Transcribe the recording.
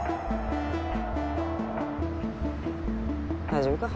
大丈夫か。